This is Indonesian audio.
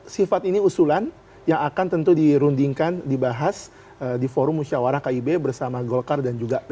sifat ini usulan yang akan tentu dirundingkan dibahas di forum musyawarah kib bersama golkar dan juga p tiga